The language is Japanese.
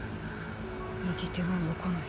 右手が動かない。